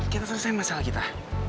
kita selesain masalah kita